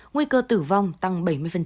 nguy cơ tử vong tăng bảy mươi